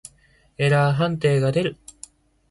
エラー判定が出る。